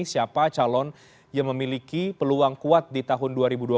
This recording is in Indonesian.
siapa calon yang memiliki peluang kuat di tahun dua ribu dua puluh